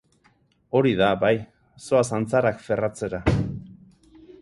Hori da, bai, zoaz antzarak ferratzera.